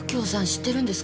知ってるんですか？